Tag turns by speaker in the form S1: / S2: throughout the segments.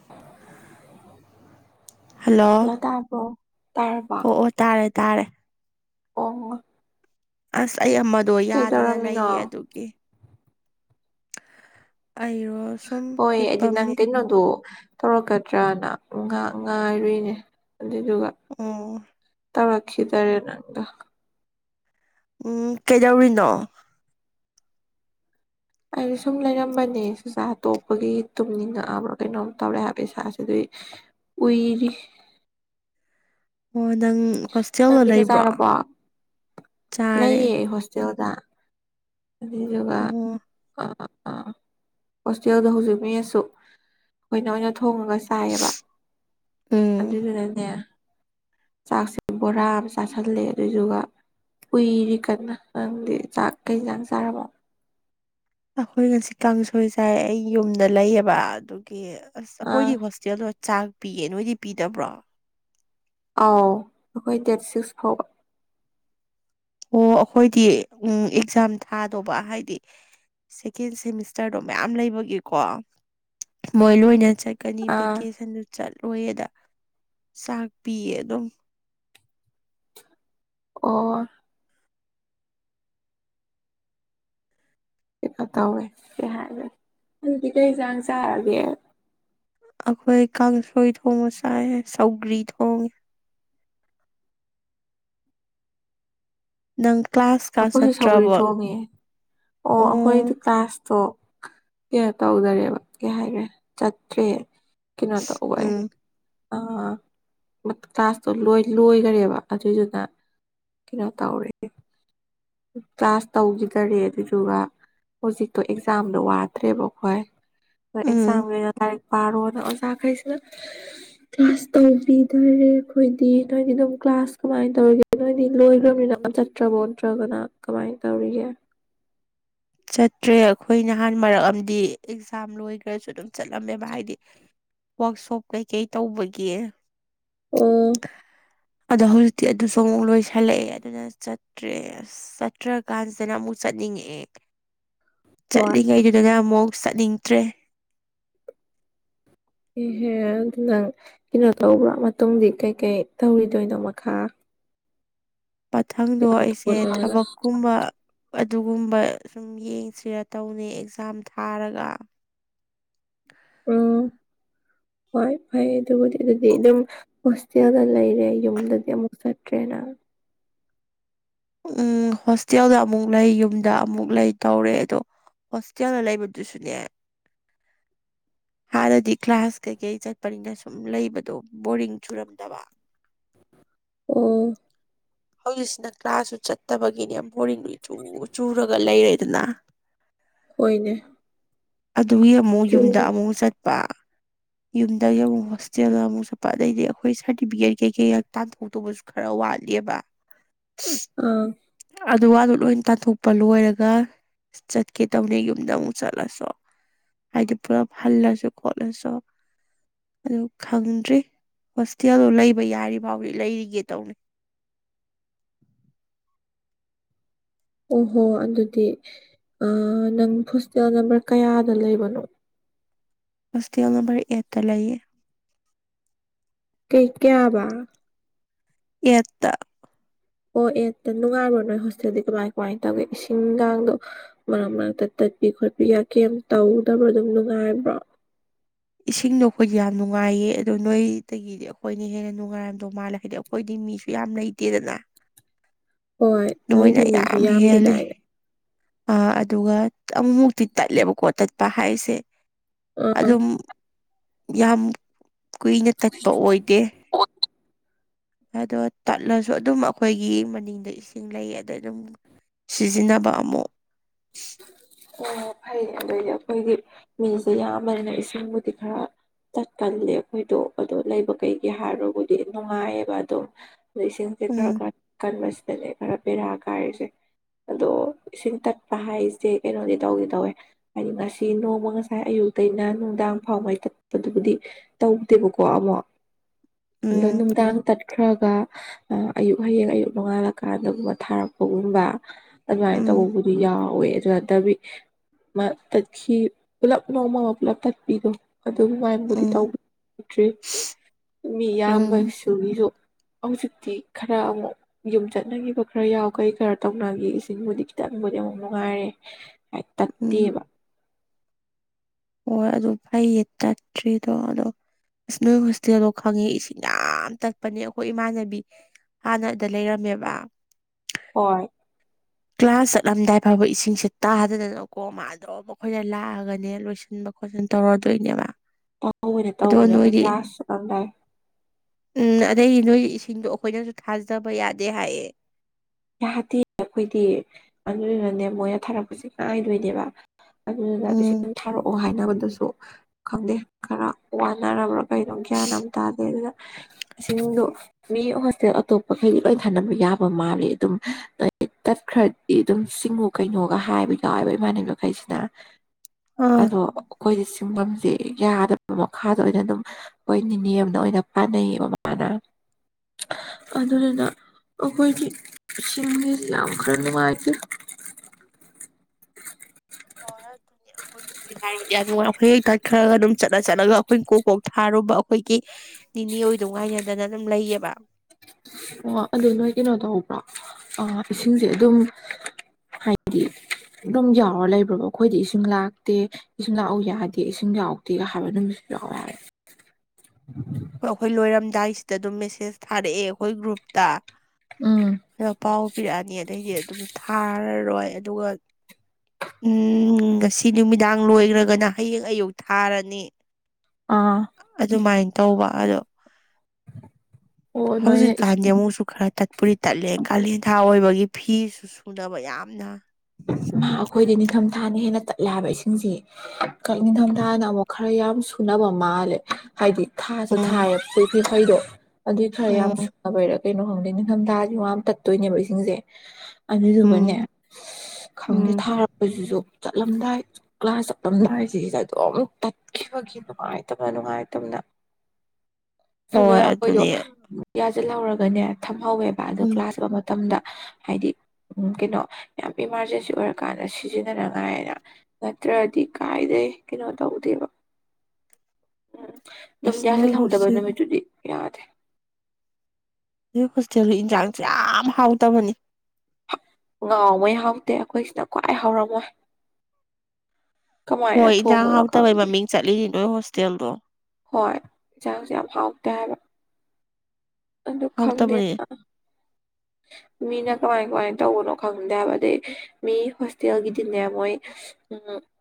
S1: [inaudible]
S2: Hello
S1: ꯇꯥꯔꯕꯣ ꯇꯥꯔꯕꯣ
S2: ꯑꯣ ꯑꯣ ꯇꯥꯔꯦ ꯇꯥꯔꯦ
S1: ꯑꯣ
S2: ꯑꯁ ꯑꯩ ꯑꯃꯗꯣ ꯌꯥꯗꯅ ꯂꯩꯌꯦ
S1: ꯀꯩꯗꯧꯔꯝꯃꯤꯅꯣ
S2: ꯑꯗꯨꯒꯤ ꯑꯩꯔꯣ ꯁꯨꯝ
S1: ꯍꯣꯏ ꯑꯩꯗꯤ ꯅꯪ
S2: ꯍꯤꯞꯄꯝꯃꯤ
S1: ꯀꯩꯅꯣꯗꯨ ꯇꯧꯔꯛꯀꯗꯔꯥꯅ ꯉꯥ ꯉꯥꯏꯔꯨꯏꯅꯦ ꯑꯗꯨꯏꯗꯨꯒ꯫
S2: ꯑꯣ
S1: ꯇꯧꯔꯛ ꯈꯤꯗꯔꯦ ꯅꯪꯗꯣ
S2: ꯎꯝ ꯀꯩꯗꯧꯔꯤꯅꯣ
S1: ꯑꯩꯗꯨ ꯁꯨꯝ ꯂꯩꯔꯝꯕꯅꯦ ꯆꯨꯆꯥꯥꯛ ꯇꯣꯛꯄꯒꯤ ꯇꯨꯝꯅꯤꯡꯉꯛꯑꯕ꯭ꯔꯥ ꯀꯩꯅꯣꯝ ꯇꯧꯔꯦ ꯍꯥꯏꯕꯁꯤ ꯑꯗꯨꯏ꯫ ꯎꯏꯔꯤ
S2: ꯑꯣ ꯅꯪ ꯍꯣꯁꯇꯦꯜꯗ
S1: ꯅꯪꯗꯤ ꯆꯥꯛ
S2: ꯂꯩꯕ꯭ꯔꯣ
S1: ꯆꯥꯔꯕꯣ ꯂꯩꯌꯦ
S2: ꯆꯥꯔꯦ
S1: ꯍꯣꯁꯇꯦꯜꯗ ꯑꯗꯨꯗꯨꯒ
S2: ꯑꯣ
S1: ꯑꯥ ꯑꯥ ꯍꯣꯁꯇꯦꯜꯗ ꯍꯧꯖꯤꯛ ꯃꯤ ꯑꯁꯨꯛ ꯈꯣꯏꯅ ꯑꯣꯏꯅ ꯊꯣꯡꯉꯒ ꯆꯥꯏꯌꯦꯕ
S2: ꯎꯝ
S1: ꯑꯗꯨꯗꯨꯅꯅꯦ ꯆꯥꯛꯁꯦ ꯕꯣꯔꯥ ꯑꯃ ꯆꯥꯥꯁꯜꯂꯦ ꯑꯗꯨꯏꯗꯨꯒ ꯎꯏꯔꯤ ꯀꯟꯅ ꯅꯪꯗꯤ ꯆꯥꯛ ꯀꯩ ꯖꯥꯡ ꯆꯥꯔꯕꯣ
S2: ꯑꯈꯣꯏ ꯉꯁꯤ ꯀꯥꯡꯁꯣꯏ ꯆꯥꯏ ꯑꯩ ꯌꯨꯝꯗ ꯂꯩꯌꯦꯕ ꯑꯗꯨꯒꯤ ꯑꯁ ꯑꯈꯣꯏꯗꯤ
S1: ꯑꯥ
S2: ꯍꯣꯁ ꯆꯦꯜꯂꯣ ꯆꯥꯛ ꯄꯤꯌꯦ ꯅꯣꯏꯗꯤ ꯄꯤꯗꯕ꯭ꯔꯣ
S1: ꯑꯥꯎ ꯑꯈꯣꯏ ꯗꯦꯠ ꯁꯤꯛꯁ ꯐꯥꯎꯕ
S2: ꯑꯣ ꯑꯈꯣꯏꯗꯤ ꯎꯝ ꯑꯦꯛꯖꯥꯝ ꯊꯥꯗꯧꯕ ꯍꯥꯏꯗꯤ ꯁꯦꯀꯦꯟ ꯁꯦꯃꯤꯁꯇꯔꯗꯣ ꯃꯌꯥꯝ ꯂꯩꯕꯒꯤꯀꯣ ꯃꯣꯏ ꯂꯣꯏꯅ ꯆꯠ ꯀꯅꯤ
S1: ꯑꯥ
S2: ꯚꯦꯀꯦꯁꯟꯗꯨ ꯆꯠꯂꯣꯏꯗ ꯆꯥꯛꯄꯤꯌꯦ ꯑꯗꯨꯝ
S1: ꯑꯣ ꯀꯩꯀꯣ ꯇꯧꯋꯦ ꯁꯤ ꯍꯥꯏꯕꯅꯤ ꯑꯗꯨꯗꯤ ꯀꯩ ꯆꯥꯡ ꯆꯥꯔꯒꯦ
S2: ꯑꯈꯣꯏ ꯀꯥꯡꯁꯣꯏ ꯊꯣꯡꯕ ꯆꯥꯏꯑꯦ ꯁꯧꯒ꯭ꯔꯤ ꯊꯣꯡꯉꯦ ꯅꯪ ꯀ꯭ꯂꯥꯁ
S1: ꯑꯈꯣꯏꯁꯨ ꯁꯧꯒ꯭ꯔꯤ ꯊꯣꯡꯉꯦ ꯑꯣ ꯑꯈꯣꯏꯗꯨ ꯀ꯭ꯂꯥꯁ ꯇꯣ ꯀꯤꯌꯥ ꯇꯧꯗꯔꯦꯕ ꯀꯩ ꯍꯥꯏꯒ꯭ꯔꯦ ꯇꯠꯇ꯭ꯔꯦ ꯀꯤꯅꯣ ꯇꯧꯕꯩ
S2: ꯎꯝ
S1: ꯑ ꯀ꯭ꯂꯥꯁꯇꯣ ꯂꯣꯏ ꯂꯣꯏꯒꯔꯦꯕ ꯑꯗꯨꯏꯗꯨꯅ ꯀꯩꯅꯣ ꯇꯧꯔꯦ ꯀ꯭ꯂꯥꯁ ꯇꯧꯒꯤꯗꯔꯦ ꯑꯗꯨꯗꯨꯒ ꯍꯧꯖꯤꯛꯇꯣ ꯑꯦꯛꯖꯥꯝꯗꯣ ꯋꯥꯗ꯭ꯔꯦꯕ ꯑꯈꯣꯏ ꯍꯣꯏ
S2: ꯎꯝ
S1: ꯑꯦꯛꯖꯥꯝꯒꯤ ꯑꯣꯏꯅ ꯂꯥꯏꯔꯤꯛ ꯄꯥꯔꯣꯅ ꯑꯣꯖꯥꯈꯩꯁꯤꯅ
S2: [unintelligible] [inaudible]
S1: ꯀ꯭ꯂꯥꯁ ꯇꯧꯕꯤꯗꯔꯦ ꯑꯩꯈꯣꯏꯗꯤ ꯅꯣꯏꯗꯤ ꯑꯗꯨꯝ ꯀ꯭ꯂꯥꯁ ꯀꯃꯥꯏꯅ ꯇꯧꯔꯤꯒꯦ ꯅꯣꯏꯗꯤ ꯂꯣꯏꯈ꯭ꯔꯕꯅꯤꯅ ꯆ ꯭ꯔꯕꯣ ꯆ꯭ꯔꯒꯅꯥ ꯀꯃꯥꯏ ꯇꯧꯔꯤꯒꯦ
S2: ꯆꯠꯇ꯭ꯔꯦ ꯑꯩꯈꯣꯏ ꯅꯍꯥꯟ ꯃꯔꯛ ꯑꯃꯗꯤ ꯑꯦꯛꯖꯥꯝ ꯂꯣꯏꯈ꯭ꯔꯁꯨ ꯑꯗꯨꯝ ꯆꯠꯂꯝꯃꯦꯕ ꯍꯥꯏꯗꯤ ꯋꯥꯛꯁꯣꯞ ꯀꯩꯀꯩ ꯇꯧꯕꯒꯤ
S1: ꯑꯣ
S2: ꯑꯗꯣ ꯍꯧꯖꯤꯛꯇꯤ ꯑꯗꯨꯁꯨ ꯑꯃꯨꯛ ꯂꯣꯏꯁꯜꯂꯛꯑꯦ ꯑꯗꯨꯅ ꯆꯠꯇ꯭ꯔꯦ ꯑꯁ ꯆꯠꯇ꯭ꯔ ꯀꯥꯟꯁꯤꯗꯅ ꯑꯃꯨꯛ ꯆꯠꯅꯤꯡꯉꯛꯑꯦ
S1: ꯍꯣꯏ
S2: ꯆꯠꯂꯤꯉꯩꯗꯨꯗꯅ ꯑꯃꯨꯛ ꯆꯠꯅꯤꯡꯗ꯭ꯔꯦ
S1: ꯑꯦꯍꯦꯍ ꯑꯗꯨ ꯅꯪ ꯀꯩꯅꯣ ꯇꯧꯕ꯭ꯔꯥ ꯃꯇꯨꯡꯗꯤ ꯀꯩꯀꯩ ꯇꯧꯔꯤꯗꯣꯏꯅꯣ ꯃꯈꯥ
S2: ꯃꯊꯪꯗꯣ ꯑꯩꯁꯦ
S1: ꯂꯣꯏꯔꯒ
S2: ꯊꯕꯛꯀꯨꯝꯕ ꯑꯗꯨꯒꯨꯝꯕ ꯁꯨꯝ ꯌꯦꯡꯁꯤꯔ ꯇꯧꯅꯤ ꯑꯦꯛꯖꯥꯝ ꯊꯥꯔꯒ
S1: ꯎ ꯍꯣꯏ ꯐꯩ ꯑꯗꯨꯕꯨꯗꯤ ꯑꯗꯨꯗꯤ ꯑꯗꯨꯝ ꯍꯣꯁꯇꯦꯜꯗ ꯂꯩꯔꯦ ꯌꯨꯝꯗꯗꯤ ꯑꯃꯨꯛ ꯆꯠꯇ꯭ꯔꯦꯅ
S2: ꯎꯝ ꯍꯣꯁꯇꯦꯜꯗ ꯑꯃꯨꯛ ꯂꯩ ꯌꯨꯝꯗ ꯑꯃꯨꯛ ꯂꯩ ꯇꯧꯔꯦ ꯑꯗꯣ ꯍꯣꯁꯇꯦꯜ ꯂ ꯂꯩꯕꯨꯗꯨꯁꯨꯅꯦ ꯍꯥꯟꯅꯗꯤ ꯀ꯭ꯂꯥꯁ ꯀꯩꯀꯩ ꯆꯠꯄꯅꯤꯅ ꯁꯨꯝ ꯂꯩꯕꯗꯣ ꯕꯣꯔꯤꯡ ꯆꯨꯔꯝꯗꯕ
S1: ꯑꯣ
S2: ꯍꯧꯖꯤꯛꯁꯤꯅ ꯀ꯭ꯂꯥꯁꯁꯨ ꯆꯠꯇꯕꯒꯤꯅꯦ ꯕꯣꯔꯤꯡ ꯏꯆꯨ ꯆꯨꯔꯒ ꯂꯩꯔꯦꯗꯅ [inaudible]
S1: ꯍꯣꯏꯅꯦ
S2: ꯑꯗꯨꯒꯤ ꯑꯃꯨꯛ ꯌꯨꯝꯗ
S1: ꯆꯨꯝꯕꯅꯦ
S2: ꯑꯃꯨꯛ ꯆꯠꯄ ꯌꯨꯝꯗꯒꯤ ꯑꯃꯨꯛ ꯍꯣꯁꯇꯦꯜꯗ ꯑꯃꯨꯛ ꯆꯠꯄ ꯑꯗꯩꯗꯤ ꯑꯩꯈꯣꯏ ꯁꯥꯔꯇꯤꯐꯤꯀꯦꯠ ꯀꯩꯀꯩ ꯇꯥꯟꯊꯣꯛꯇꯧꯕꯁꯨ ꯈꯔ ꯋꯥꯠꯂꯤꯕ [unintelligible]
S1: ꯑꯥ
S2: ꯑꯗꯨ ꯋꯥꯗ ꯂꯣꯏ ꯇꯥꯟꯊꯣꯛꯄ ꯂꯣꯏꯔꯒ ꯆꯠꯀꯦ ꯇꯧꯅꯦ ꯌꯨꯝꯗ ꯑꯃꯨꯛ ꯆꯠꯂꯁꯨꯣ ꯍꯥꯏꯗꯤ ꯄꯨꯂꯞ ꯍꯜꯂꯁꯨ ꯈꯣꯠꯂꯁꯨ ꯑꯗꯨ ꯈꯪꯗ꯭ꯔꯔꯤ ꯍꯣꯁꯇꯦꯜꯗꯣ ꯂꯩꯕ ꯌꯥꯔꯤ ꯐꯥꯎꯗꯤ ꯂꯩꯔꯤꯒꯦ ꯇꯧꯅꯤ
S1: ꯑꯣꯍꯣ ꯑꯗꯨꯗꯤ ꯅꯪ ꯍꯣꯁꯇꯦꯜ ꯅꯝꯕꯔ ꯀꯌꯥꯗ ꯂꯩꯕꯅꯣ
S2: ꯁꯇꯅꯝꯕ ꯑꯦꯠꯇꯂꯏꯌꯦ
S1: ꯀꯩ ꯀꯌꯥꯕ
S2: ꯌꯦꯠꯇ
S1: ꯑꯣ ꯑꯦ ꯅꯨꯡꯉꯥꯏꯔꯨꯔ ꯅꯣꯏ ꯍꯣꯁꯇꯦꯜꯗꯤ ꯀꯃꯥꯏ ꯀꯃꯥꯏꯅ ꯇꯧꯒꯦ ꯏꯁꯤꯡꯒꯗꯣ ꯃꯔꯛ ꯃꯔꯛꯇ ꯇꯠꯄꯤ ꯈꯣꯠꯄꯤ ꯌꯥ ꯀꯦꯝ ꯇꯧꯗꯕ꯭ꯔꯣ ꯑꯗꯨꯝ ꯅꯨꯡꯉꯥꯏꯕ꯭ꯔꯣ
S2: ꯏꯁꯤꯡꯗꯣ ꯑꯩꯈꯣꯏꯗꯤ ꯌꯥꯝ ꯅꯨꯡꯉꯥꯏꯌꯦ ꯑꯗꯣ ꯅꯣꯏꯗꯒꯤꯗꯤ ꯑꯩꯈꯣꯏꯅ ꯍꯦꯟꯅ ꯅꯨꯡꯉꯥꯏꯔꯝꯗꯧ ꯃꯥꯜꯂꯦ ꯍꯥꯏꯗꯤ ꯑꯩꯈꯣꯏꯗꯤ ꯃꯤꯁꯨ ꯌꯥꯝ ꯂꯩꯇꯦꯗꯅ
S1: ꯍꯣꯏ
S2: ꯅꯣꯏꯅ
S1: ꯅꯣꯏꯗꯤ ꯃꯤꯁꯨ
S2: ꯌꯥꯝ ꯍꯦꯜꯂꯤ
S1: ꯌꯥꯝꯗꯗꯥꯏꯅꯦ
S2: ꯑꯗꯨꯒ ꯑꯃꯨꯃꯨꯛꯇꯤ ꯇꯠꯂꯦꯕꯀꯣ ꯇꯠꯄ ꯍꯥꯏꯁꯦ
S1: ꯑꯥ
S2: ꯑꯗꯨꯝ ꯌꯥꯝ ꯀꯨꯏꯅ ꯇꯠꯄ ꯑꯣꯏꯗꯦ ꯑꯗꯣ ꯇꯠꯂꯁꯨ ꯑꯗꯨꯝ ꯑꯩꯈꯣꯏꯒꯤ ꯃꯅꯤꯡꯗ ꯏꯁꯤꯡ ꯂꯩ ꯑꯗ ꯑꯗꯨꯝ ꯁꯤꯖꯤꯟꯅꯕ ꯑꯃꯨꯛ
S1: ꯑꯣ ꯐꯩ ꯑꯗꯨꯑꯣꯏꯗꯤ ꯑꯩꯈꯣꯏꯗꯤ ꯃꯤꯁꯦ ꯌꯥꯝꯕꯅꯤꯅ ꯏꯁꯤꯡꯕꯨꯗꯤ ꯈꯔ ꯇꯠꯀꯜꯜꯂꯤ ꯑꯩꯈꯣꯏꯗꯣ ꯑꯗꯣ ꯂꯩꯕ ꯀꯩꯒꯤ ꯍꯥꯏꯔꯕꯨꯗꯤ ꯅꯨꯡꯉꯥꯏꯌꯦꯕ ꯑꯣ ꯁ ꯦ ꯈꯔ
S2: ꯎꯝ
S1: ꯀꯟꯕꯁꯤꯗꯅꯦ ꯈꯔ ꯕꯦꯔꯥ ꯀꯥꯏꯔꯤꯁꯦ ꯑꯗꯣ ꯏꯁꯤꯡ ꯇ ꯍꯥꯏꯁꯦ ꯀꯩꯅꯣꯗꯤ ꯇꯧꯗꯤꯦ ꯇꯧꯋꯦ ꯍꯥꯏꯗꯤ ꯉꯁꯤ ꯅꯣꯡꯃ ꯉꯁꯥꯏ ꯑꯌꯨꯛꯇꯩꯅ ꯅꯨꯡꯗꯥꯡ ꯐꯥꯎ ꯃꯩ ꯇꯠꯄꯗꯨꯕꯨꯗꯤ ꯇꯧꯗꯦꯕꯀꯣ ꯑꯃꯨꯛ ꯑꯗꯣ
S2: ꯎꯝ
S1: ꯅꯨꯡꯗꯥꯡ ꯈ꯭ꯔꯒ ꯑꯌꯨꯛ ꯍꯌꯦꯡ ꯑꯌꯨꯛ ꯅꯉꯥꯜꯂꯀꯥꯟꯗꯒꯨꯝꯕ ꯊꯥꯔꯛꯄꯒꯨꯝꯕ ꯑꯗꯨꯃꯥꯏꯅ
S2: ꯎꯝ
S1: ꯇꯧꯕꯕꯨꯗꯤ ꯌꯥꯎꯋꯦ ꯑꯗꯨꯅꯥꯠꯇꯕꯤ ꯃꯥ ꯇꯠꯈꯤ ꯄꯨꯂꯞ ꯂꯣꯡꯃ ꯄꯨꯂꯞ ꯇꯠꯄꯤꯤꯗꯣ ꯑꯗꯨꯃꯥꯏꯅꯕꯨꯗꯤ
S2: ꯎꯝ
S1: ꯇꯧꯗ꯭ꯔꯤ
S2: ꯎꯝ
S1: ꯃꯤꯌꯥꯝꯕꯁꯨꯒꯤꯁꯨ ꯑꯃꯨꯛꯁꯨꯇꯤ ꯈꯔ ꯑꯃꯨꯛ ꯌꯨꯝ ꯆꯠꯅꯈꯤꯕ ꯈꯔ ꯌꯥꯎ ꯀꯩꯀꯔꯥ ꯇꯧꯅꯈꯤ ꯁꯤꯕꯨꯅꯤꯗ ꯎꯕꯨꯗꯤ ꯑꯃꯨꯛ ꯅꯨꯡꯉꯥꯏ ꯌꯥꯝ
S2: ꯎꯝ
S1: ꯇꯠꯇꯦꯕ
S2: ꯍꯣꯏ ꯑꯗꯨ ꯑꯩꯇꯠꯇ꯭ꯔꯤꯗꯣ ꯑꯗꯣ ꯅꯣꯏ ꯍꯣꯁꯇꯦꯜꯗꯣ ꯈꯪꯉꯦ ꯏꯁ ꯌꯥꯝ ꯇꯠꯄꯅꯦ ꯑꯩꯈꯣꯏ ꯏꯃꯥꯅꯗꯤ ꯍꯥꯟꯑꯗ ꯂꯩꯔꯝꯃꯦꯕ
S1: ꯍꯣꯏ
S2: ꯒ꯭ꯂꯥꯁ ꯆꯠꯂꯝꯗꯥꯏ ꯐꯥꯎꯕ ꯏꯁꯤꯡꯁꯦ ꯇꯥꯗꯗꯅꯕꯀꯣ ꯃꯥꯗꯣ ꯑꯩꯈꯣꯏꯅ ꯂꯥꯛꯑꯒꯅꯦ ꯂꯣꯏꯁꯤꯟꯕ ꯈꯣꯠꯆꯟ ꯇꯧꯔꯗꯣꯏꯅꯦꯕ
S1: ꯇꯧꯕ ꯑꯣꯏꯅ
S2: ꯑꯗꯨꯒ
S1: ꯇꯧꯕꯅꯦ ꯑꯩꯈꯣꯏ
S2: ꯅꯣꯏꯗꯤ
S1: ꯀ꯭ꯂꯥꯁ ꯆꯠꯑꯝꯗꯥꯏ
S2: ꯎꯝ ꯑꯗꯩ ꯅꯣꯏꯒꯤ ꯏꯁꯤꯡꯗꯣ ꯑꯩꯈꯣꯏꯗꯁꯨ ꯊꯥꯖꯕ ꯌꯥꯗꯦ ꯍꯥꯏꯌꯦ
S1: ꯌꯥꯗꯦ ꯑꯩꯈꯣꯏꯗꯤ ꯑꯗꯨꯗꯨꯅꯅꯦ ꯃꯣꯏꯅ ꯊꯥꯔꯛꯄꯁꯦ ꯉꯥꯏꯗꯣꯏꯅꯦꯕ ꯑꯗꯨꯗꯨꯅ
S2: ꯎꯝ
S1: ꯏꯁꯤꯡ ꯊꯥꯔꯛꯑꯣ ꯍꯥꯏꯅꯕꯗꯁꯨ ꯈꯪꯗꯦ ꯈꯔ ꯋꯥꯅꯔꯕ꯭ꯔꯥ ꯀꯩꯅꯣ ꯒ꯭ꯌꯥꯟ ꯑꯝꯇꯥꯗꯦ ꯑꯗꯨꯅ ꯁꯤꯡꯗꯣ ꯃꯤ ꯍꯣꯁꯇꯦꯜ ꯑꯇꯣꯞꯄꯈꯩꯗꯤ ꯂꯣꯏ ꯊꯅꯕ ꯌꯥꯕ ꯃꯥꯜꯂꯤ ꯑꯗꯨꯕꯨ ꯇꯠꯈ꯭ꯔꯗꯤ ꯑꯗꯨꯝ ꯁꯤꯕꯨꯀꯩꯅꯣꯒ ꯍꯥꯏꯕ ꯇꯥꯏꯕ ꯏꯃꯥꯟꯕꯤ ꯃꯈꯩꯁꯤꯅ
S2: ꯑꯥ
S1: ꯑꯗꯣ ꯑꯩꯈꯣꯏꯗꯤ ꯁꯤꯃꯛꯇꯤ ꯌꯥꯗꯕ ꯃꯈꯥꯗ ꯑꯣꯏꯅ ꯑꯗꯨꯝ ꯍꯣꯏ ꯅꯤꯅꯦ ꯑꯃꯅ ꯑꯣꯏꯅ ꯄꯥꯅꯩꯌꯦꯕꯃꯅ ꯑꯗꯨꯅꯅ ꯑꯩꯈꯣꯏꯗꯤ ꯆꯤꯡꯃꯤꯁꯤ ꯌꯥꯝꯈꯔꯅꯨꯡꯉꯥꯥꯏꯇꯦ
S2: ꯑꯗꯨꯅ ꯍꯥꯏꯔꯗꯤ ꯑꯗꯣ ꯑꯩꯈꯣꯏꯒꯤ ꯀꯠꯈꯔꯒ ꯑꯗꯨꯝ ꯆꯠꯂꯆꯠꯂꯒ ꯑꯩꯈꯣꯏ ꯀꯣꯛꯀꯣꯛ ꯊꯥꯔꯨꯕ ꯑꯩꯈꯣꯏꯒꯤ ꯅꯤꯅꯦ ꯑꯣꯏꯗ ꯉꯥꯏꯅꯗꯅ ꯑꯗꯨꯝ ꯂꯩꯌꯦꯕ
S1: ꯑꯣ ꯑꯗꯨ ꯅꯣꯏ ꯀꯩꯅꯣ ꯇꯧꯕ꯭ꯔꯣ ꯏꯁꯤꯡꯁꯦ ꯑꯗꯨꯝ ꯍꯥꯏꯗꯤ ꯑꯗꯨꯝ ꯌꯥꯎꯔ ꯂꯩꯕ꯭ꯔꯕ ꯑꯩꯈꯣꯏꯗꯤ ꯏꯁꯤꯡ ꯂꯥꯛꯇꯦ ꯏꯁꯤꯡ ꯂꯥꯛꯎ ꯌꯥꯗꯦ ꯏꯁꯤꯡ ꯌꯥꯎꯗꯦꯒ ꯍꯥꯏꯕ ꯅꯨꯝꯕꯁꯨ ꯌꯥꯎꯋ‌ꯦ ꯍꯥꯏꯕ
S2: ꯑꯩꯈꯣꯏ ꯂꯣꯏꯔꯝꯗꯥꯏꯁꯤꯗ ꯑꯗꯨꯝ ꯃꯦꯁꯦꯁ ꯊꯥꯔꯛꯑꯦ ꯑꯩꯈꯣꯏ ꯒ꯭ꯔꯨꯞꯇ
S1: ꯎꯝ
S2: ꯑꯗꯣ ꯄꯥꯎ ꯄꯤꯔꯛꯑꯅꯤ ꯑꯗꯩꯗꯤ ꯑꯗꯨꯝ ꯊꯥꯔꯔꯣꯏ ꯑꯗꯨꯒ ꯎꯝ ꯉꯁꯤ ꯅꯨꯃꯤꯗꯥꯡ ꯂꯣꯏꯈ꯭ꯔꯒꯅ ꯍꯌꯦꯡ ꯑꯌꯨꯛ ꯊꯥꯔꯅꯤ
S1: ꯑꯥ
S2: ꯑꯗꯨꯃꯥꯏꯅ ꯇꯧꯕ ꯑꯗꯣ
S1: ꯑꯣ ꯅꯣꯏꯅ
S2: ꯍꯧꯖꯤꯛꯀꯥꯟ ꯑꯃꯨꯛꯁꯨ ꯈꯔ ꯇꯠꯄꯔꯤ ꯇꯠꯂꯦ ꯀꯥꯂꯦꯟ ꯊꯥ ꯑꯣꯏꯕꯒꯤ ꯐꯤꯁꯨ ꯁꯨꯅꯕ ꯌꯥꯝꯅ
S1: ꯑꯩꯈꯣꯏꯗꯤ ꯅꯤꯡꯊꯝꯊꯥꯅ ꯍꯦꯟꯅ ꯇꯠꯂꯦꯕ ꯏꯁꯤꯡꯁꯤ ꯀꯅꯤꯡꯊꯝꯊꯥꯅ ꯑꯃꯨꯛ ꯈꯔ ꯌꯥꯝ ꯁꯨꯅꯕ ꯃꯥꯜꯂꯦ ꯍꯥꯏꯗꯤ ꯊꯥꯁꯨ
S2: ꯎꯝ
S1: ꯊꯥꯏꯌꯦꯕ ꯁꯤꯈꯩꯗꯣ [unintelligible] ꯑꯗꯨꯏ ꯈꯔ ꯌꯥꯝ
S2: ꯎꯝ
S1: ꯁꯨꯅꯕꯩꯔ ꯀꯩꯅꯣ ꯈꯪꯗꯦ ꯅꯤꯡꯊꯝꯊꯥꯒꯤ ꯋꯥꯑꯃ [unintelligible] ꯇꯠꯇꯣꯏꯅꯦꯕ ꯏꯁꯤꯡꯁꯦ ꯑꯗꯨꯗꯨꯒꯅꯦ
S2: ꯎꯝ
S1: ꯈꯪꯗꯦ
S2: ꯎꯝ
S1: ꯊꯥꯔꯛꯄꯁꯤꯁꯨ ꯆꯠꯂꯝꯗꯥꯏ ꯀ꯭ꯂꯥꯁ ꯆꯂꯝꯗꯥꯏꯁ‌ꯦ ꯁꯤꯗ ꯑꯗꯨꯝ ꯇꯠꯈꯤꯕꯒꯤ ꯅꯨꯡꯉꯥꯏꯇꯕꯅ ꯅꯨꯡꯉꯥꯏꯇꯕꯅ
S2: [inaudible]
S1: ꯑꯗꯨꯅ
S2: ꯍꯣꯏ
S1: [unintelligible] ꯑꯩꯈꯣꯏꯗꯣ
S2: ꯑꯗꯨꯅꯦ
S1: ꯌꯥꯁꯤꯜꯍꯧꯔꯒꯅꯦ ꯊꯝꯍꯧꯋꯦꯕ ꯑꯗꯣ
S2: ꯎꯝ
S1: ꯀ꯭ꯂꯥꯁ ꯑꯃ ꯃꯇꯝꯗ ꯍꯥꯏꯗꯤ ꯀꯩꯅꯣ ꯌꯥꯝ ꯏꯃꯥꯔꯖꯦꯟꯁꯤ ꯑꯣꯏꯔꯀꯥꯟꯗ ꯁꯤꯖꯤꯟꯅꯅꯉꯥꯏꯅ ꯅꯠꯇ꯭ꯔꯗꯤ ꯀꯥꯏꯗꯩ ꯀꯩꯅꯣ ꯇꯧꯗꯦꯕ
S2: [inaudible]
S1: ꯎꯝ
S2: ꯑꯁ ꯅꯣꯏ
S1: ꯝꯗꯨꯝꯌꯥꯁꯤꯜꯍꯧꯗꯕ
S2: ꯍꯣꯁꯇꯦꯜ
S1: ꯅꯨꯃꯤꯠꯇꯨꯗꯤ ꯌꯥꯗꯦ
S2: ꯅꯣꯏ ꯍꯣꯁꯇꯦꯜꯗꯨ ꯌꯦꯟꯖꯥꯡꯁꯨ ꯌꯥꯝ ꯍꯥꯎꯇꯕꯅꯤ
S1: ꯉꯥꯎ ꯑꯃ [unintelligible] ꯌꯥꯥꯎꯗꯦ ꯑꯩꯈꯣꯏꯁꯤꯅ ꯈ꯭ꯋꯥꯏ ꯍꯥꯎꯔꯝꯃꯣꯏ ꯀꯃꯥꯏꯅ
S2: ꯍꯣꯏ ꯏꯟꯖꯥꯡ
S1: ꯊꯣꯡꯕꯅꯣ
S2: ꯍꯥꯎꯇꯕꯩ
S1: ꯈꯪꯗꯦ
S2: ꯃꯃꯤꯡ ꯆꯠꯂꯤꯅꯤ ꯅꯣꯏ ꯍꯣꯁꯇꯦꯜꯗꯣ
S1: ꯍꯣꯏ ꯏꯟꯁꯥꯡꯁꯨ ꯌꯥꯝ ꯍꯥꯎꯇꯦ ꯍꯥꯏꯕ ꯑꯗꯨ ꯈꯪꯗꯦ
S2: ꯍꯥꯎꯇꯕꯅꯦ
S1: [unintelligible] ꯃꯤꯅ ꯀꯃꯥꯏ ꯀꯃꯥꯏꯅ ꯇꯧꯕꯅꯣ ꯈꯪꯗꯦꯕ ꯑꯗꯩ ꯃꯤ ꯍꯣꯁꯇꯦꯜꯒꯤꯗꯤꯅꯦ ꯃꯣꯏ ꯎꯝ [unintelligible]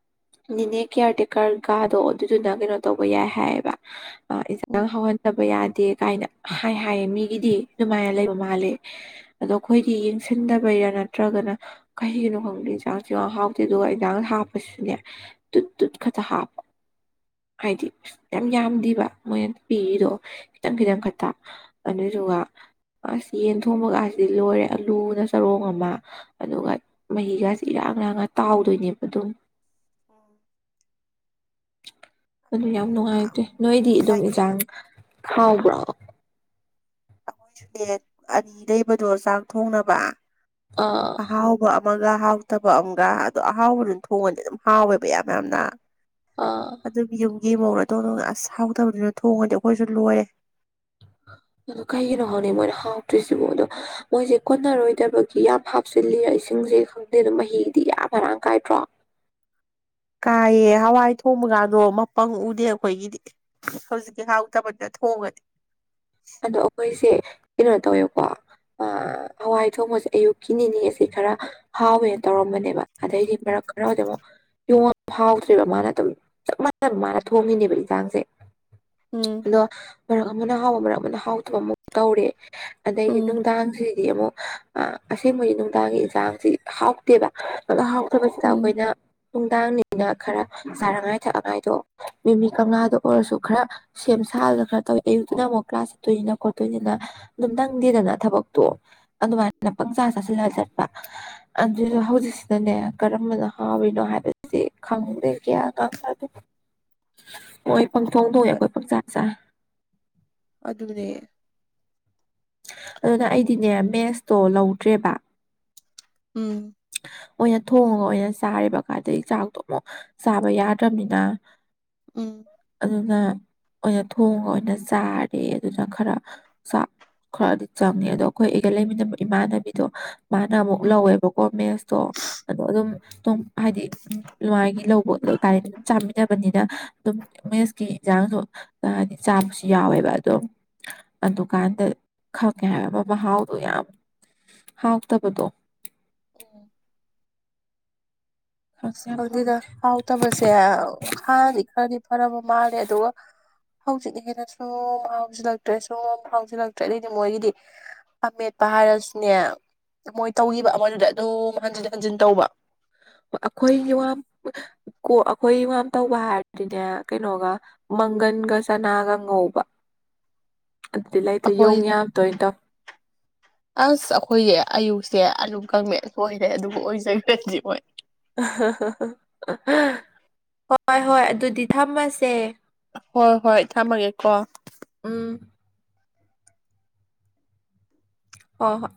S1: ꯅꯤꯅꯦ ꯀꯤꯌꯥꯔ ꯇꯦꯀꯔ ꯀꯥꯗꯣ ꯑꯗꯨꯗꯨꯅ ꯀꯩꯅꯣ ꯇꯧꯕ ꯌꯥꯏ ꯍꯥꯏꯌꯦꯕ
S2: ꯎꯝ
S1: ꯏꯟꯁꯥꯡ ꯍꯧꯍꯟꯗꯕ ꯌꯥꯗꯦ ꯀꯥꯏꯅ ꯍꯥꯏ ꯍꯥꯏꯌꯦ ꯃꯤꯒꯤꯗꯤ ꯑꯗꯨꯃꯥꯏꯅ ꯂꯩꯕ ꯃꯥꯜꯂꯦ ꯑꯗꯣ ꯑꯩꯈꯣꯏꯗꯤ ꯌꯦꯡꯁꯤꯟꯗꯕꯩꯔꯥ ꯅꯠꯇ꯭ꯔꯒꯅ ꯀꯩꯒꯤꯅꯣ ꯈꯪꯗꯦ ꯏꯟꯁꯥꯡꯁꯨ ꯌꯥꯝ ꯍꯥꯎꯇꯦ ꯑꯗꯨꯒ ꯏꯟꯖꯥꯡ ꯍꯥꯞꯄꯁꯨꯅꯦ ꯇꯨꯠ ꯇꯨꯠ ꯈꯛꯇꯥ ꯍꯥꯞꯄ ꯍꯥꯏꯗꯤ ꯌꯥꯝ ꯌꯥꯝꯗꯦꯕ ꯃꯣꯏꯅ ꯄꯤꯔꯤꯗꯣ ꯈꯤꯇꯪ ꯈꯤꯇꯪ ꯈꯛꯇ ꯑꯗꯨꯗꯨꯒ ꯑꯁ ꯌꯦꯟ ꯊꯣꯡꯕꯒꯁꯤꯗꯤ ꯂꯣꯏꯔꯦ ꯑꯂꯨꯅ ꯆꯔꯣꯡ ꯑꯃ ꯑꯗꯨꯒ ꯃꯍꯤꯒꯁꯤ ꯏꯔꯥꯡ ꯂꯔꯥꯡꯒ ꯇꯥꯎꯗꯣꯏꯅꯦꯕ ꯑꯗꯨꯝ
S2: ꯑ [inaudible]
S1: ꯑꯗꯨ ꯌꯥꯝ ꯅꯨꯡꯉꯥꯏꯇꯦ ꯅꯣꯏꯗꯤ
S2: ꯃꯨꯛꯇꯤ
S1: ꯑꯗꯨꯝ
S2: ꯍꯥꯏꯗꯤ
S1: ꯏꯟꯁꯥꯡ ꯍꯥꯎꯕ꯭ꯔꫭ
S2: ꯑꯩꯈꯣꯏꯁꯨꯅꯦ ꯑꯅꯤ ꯂꯩꯕꯗꯣ ꯆꯥꯛ ꯊꯣꯡꯅꯕ
S1: ꯑꯥ
S2: ꯑꯍꯥꯎꯕ ꯑꯃꯒ ꯍꯥꯎꯇꯕ ꯑꯃꯒ ꯑꯗꯣ ꯑꯍꯥꯎꯕ ꯑꯗꯨꯝ ꯊꯣꯡꯉꯗꯤ ꯑꯗꯨꯝ ꯍꯥꯎꯋꯦꯕ ꯌꯥꯝ ꯌꯥꯝꯅ [inaudible]
S1: ꯑꯥ
S2: ꯑꯗꯨꯝ ꯌꯨꯝꯒꯤ ꯃꯧ ꯑꯇꯣꯝꯕꯤꯅꯥ [unintelligible] ꯑꯁ ꯍꯥꯎꯇꯕꯗꯨꯅ ꯊꯣꯡꯉꯗꯤ ꯑꯩꯈꯣꯏꯁꯨ ꯂꯣꯏꯔꯦ
S1: ꯑꯗꯨ ꯀꯩꯒꯤꯅꯣ ꯍꯥꯏꯅꯤꯡ [unintelligible] ꯃꯣꯏꯅ ꯍꯥꯎꯇ꯭ꯔꯤꯁꯤꯕꯣ ꯑꯗꯣ ꯃꯣꯏꯁꯦ ꯀꯣꯟꯅꯔꯣꯏꯗꯕꯒꯤ ꯌꯥꯝ ꯍꯥꯞꯆꯤꯜꯂꯤꯔ ꯏꯁꯤꯡꯁꯦ [unintelligible] ꯑꯗꯨ ꯃꯍꯤꯗꯤ ꯀꯌꯥ ꯃꯔꯥꯡ ꯀꯥꯏꯗ꯭ꯔꯣ
S2: ꯀꯥꯏꯌꯦ ꯍꯋꯥꯏ ꯊꯣꯡꯕ ꯀꯥꯏꯗꯣ ꯃꯄꯪ ꯎꯗꯦ ꯑꯩꯈꯣꯏꯒꯤꯗꯤ ꯍꯧꯖꯤꯛꯀꯤ ꯍꯥꯎꯇꯕꯗꯨꯅ ꯊꯣꯡꯉꯗꯤ
S1: ꯑꯗꯣ ꯑꯩꯈꯣꯏꯁꯦ ꯀꯩꯅꯣ ꯇꯧꯋꯦꯀꯣ ꯑꯥ ꯍꯋꯥꯏ ꯊꯣꯡꯕꯁꯦ ꯑꯌꯨꯛꯀꯤ ꯅꯤꯅꯤꯁꯤ ꯈꯔꯥ ꯍꯥꯎꯋꯦꯅ ꯇꯧꯔꯝꯕꯅꯦꯕ ꯑꯗꯩꯗꯤ ꯃꯔꯛ ꯈꯔꯗ ꯑꯃꯨꯛ ꯍꯥꯎꯗ꯭ꯔꯦꯕ ꯃꯥꯅ ꯑꯗꯨꯝ ꯆꯞ ꯃꯥꯟꯅꯅ ꯃꯥꯅ ꯊꯣꯡꯉꯤꯅꯦꯕ ꯌꯦꯟꯖꯥꯡꯁꯦ
S2: ꯎꯝ
S1: ꯑꯗꯣ ꯃꯔꯛ ꯑꯃꯅ ꯍꯥꯎꯕ ꯃꯔꯛ ꯑꯃꯅ ꯍꯥꯎꯇꯕ ꯑꯃꯨꯛ ꯇꯧꯔꯦ ꯑꯗꯒꯤ
S2: ꯎꯝ
S1: ꯅꯨꯡꯗꯥꯡꯁꯤꯗꯤ ꯑꯃꯨꯛ ꯑꯁꯦꯡꯕꯒꯤ ꯅꯨꯡꯗꯥꯡꯒꯤ ꯏꯟꯁꯥꯡꯁꯤ ꯍꯥꯎꯇꯦꯕ ꯑ ꯍꯥꯎꯇꯕꯁꯤꯗ
S2: ꯎꯝ
S1: ꯑꯩꯈꯣꯏꯅ ꯅꯨꯡꯗꯥꯡꯅꯤꯅ ꯈꯔ ꯆꯥꯅꯉꯥꯏ ꯊꯛꯅꯤꯡꯉꯥꯏꯗꯣ ꯃꯤꯃꯤ ꯀꯪꯂꯥꯗ ꯑꯣꯏꯔꯁꯨ ꯈꯔ ꯁꯦꯝ ꯁꯥꯔꯗꯨꯅ ꯈꯔ ꯇꯧꯋꯦ ꯑꯌꯨꯛꯇꯨꯅ ꯑꯃꯨꯛ ꯀ꯭ꯂꯥꯁ ꯈꯣꯠꯇꯣꯏꯅꯤꯅ ꯈꯣꯠꯇꯣꯏꯅꯤꯅ ꯑꯗꯨꯝ ꯅꯪꯗꯦꯗꯅ ꯊꯕꯛꯇꯣ ꯑꯗꯨꯃꯥꯏꯅ ꯄꯪꯆꯥ ꯆ ꯂꯤꯂꯥ ꯆꯠꯄ ꯑꯗꯨꯗ ꯍꯧꯖꯤꯛꯁꯤꯗꯅꯦ ꯀꯔꯝꯕꯅ ꯍꯥꯎꯔꯤꯅꯣ ꯍꯥꯏꯕꯗꯤ ꯈꯪꯗꯦ ꯒꯌꯥꯟꯒ ꯑꯝ ꯇꯥꯗꯦ
S2: [unintelligible]
S1: ꯃꯣꯏ ꯄꯪꯊꯣꯡ ꯊꯣꯛꯑꯦ ꯑꯩꯈꯣꯏ ꯄꯥꯛꯆꯥ ꯆꯥ
S2: ꯑꯗꯨꯅꯦ
S1: ꯑꯗꯨꯅ ꯑꯩꯗꯤꯅꯦ ꯃꯦꯁꯇꯣ ꯂꯧꯗ꯭ꯔꯦꯕ
S2: ꯎꯝ
S1: ꯑꯣꯏꯅ ꯊꯣꯡꯉꯒ ꯑꯣꯏꯅ ꯆꯥꯔꯦꯕ ꯀꯥꯏꯗꯩ ꯆꯥꯛꯇꯣ ꯑꯃꯨꯛ ꯆꯥꯕ ꯌꯥꯗ꯭ꯔꯕꯅꯤꯅ
S2: ꯎꯝ
S1: ꯑꯗꯨꯅ ꯑꯣꯏꯅ ꯊꯣꯡꯉꯒ ꯑꯣꯏꯅ ꯆꯥꯔꯦ ꯑꯗꯨꯅ ꯈꯔ ꯆꯥꯛ ꯈꯔꯗꯤ ꯆꯪꯉ ꯑꯗꯣ ꯑꯩꯈꯣꯏ ꯑꯩꯒ ꯂꯩꯃꯤꯟꯅꯕ ꯏꯃꯥꯟꯅꯕꯤꯗꯣ ꯃꯥꯅ ꯑꯃꯨꯛ
S2: ꯎꯝ
S1: ꯂꯧꯋꯦꯕ ꯀꯣ ꯃꯦꯁꯇꯣ ꯑꯗꯣ ꯑꯗꯨꯝ ꯑꯗꯨꯝ ꯍꯥꯏꯗꯤ ꯃꯒꯤ ꯂꯧꯕ ꯍꯥꯢꯗꯤ ꯑꯗꯨꯝ ꯆꯥꯃꯤꯟꯅꯕꯅꯤꯅ ꯑꯗꯨꯝ ꯃꯦꯁꯀꯤ ꯌꯦꯟꯖꯥꯡꯁꯨ ꯍꯥꯏꯗꯤ ꯆꯥꯕꯁꯤ ꯌꯥꯎꯋꯦꯕ ꯑꯗꯨꯝ ꯑꯗꯨꯀꯥꯟꯗ ꯈꯪꯉꯦ ꯍꯥꯏ ꯑꯃ ꯃꯍꯥꯎꯗꯣ ꯌꯥꯝ ꯍꯥꯎꯇꯕꯗꯣ
S2: ꯑꯣ
S1: ꯈꯪ
S2: ꯑꯁ
S1: ꯌꯥꯝ ꯍꯥꯎ
S2: ꯈꯪꯗꯦꯗ ꯍꯥꯎꯇꯕꯁꯦ ꯍꯥꯟꯅꯗꯤ ꯈꯔꯗꯤ ꯐꯔꯝꯕ ꯃꯥꯜꯂꯦ ꯑꯗꯨꯒ ꯍꯧꯖꯤꯛꯅ ꯍꯦꯟꯅ ꯁꯨꯝ ꯍꯥꯎꯁꯤꯜꯂꯛꯇ꯭ꯔꯦ ꯁꯨꯝ ꯍꯥꯎꯁꯤꯜꯂꯛꯇ꯭ꯔꯦ ꯑꯗꯨꯏꯗꯤ ꯃꯣꯏꯒꯤꯗꯤ ꯑꯃꯦꯠꯄ ꯍꯥꯏꯔꯁꯨꯅꯦ ꯃꯣꯏ ꯇꯧꯈꯤꯕ ꯃꯣꯏꯗꯨꯗ ꯑꯗꯨꯝ ꯍꯟꯖꯤꯟ ꯍꯟꯖꯤꯟ ꯇꯧꯕ
S1: ꯑꯩꯈꯣꯏꯒꯤ ꯋꯥ ꯀ ꯑꯩꯈꯣꯏ ꯏ ꯋꯥꯝ ꯇꯧꯕ ꯍꯥꯏꯔꯗꯤꯅꯦ ꯀꯩꯅꯣꯒ ꯃꯪꯒꯟꯒ ꯆꯥꯅꯥꯒ ꯉꯧꯕ
S2: [unintelligible]
S1: ꯑꯗꯨꯗꯤ ꯂꯩꯇꯦ
S2: ꯑꯩꯈꯣꯏ
S1: ꯌꯣꯡ ꯌꯥꯝ ꯇꯣꯏ ꯇꯧꯋꯤ
S2: [unintelligible] ꯑꯁ ꯑꯩꯈꯣꯏ ꯑꯌꯨꯛꯁꯦ ꯑꯗꯨꯝ ꯀꯪꯃꯦꯠ ꯑꯣꯏꯔꯦ ꯑꯗꯨꯒ ꯑꯣꯏꯖ꯭ꯔꯗꯤ ꯍꯣꯏ
S1: ꯍꯣꯏ ꯍꯣꯏ ꯑꯗꯨꯗꯤ ꯊꯝꯃꯁꯦ
S2: ꯍꯣꯏ ꯍꯣꯏ ꯊꯝꯃꯒꯦꯀꯣ
S1: ꯎꯝ ꯍꯣ ꯍꯣꯏ